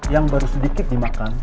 yang baru sedikit dimakan